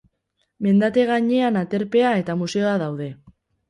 Mendate gainean aterpea eta museoa daude.